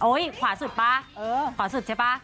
ขวาสุดป่ะขวาสุดใช่ป่ะ